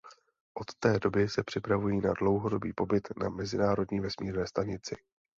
Od té doby se připravují na dlouhodobý pobyt na Mezinárodní vesmírné stanici.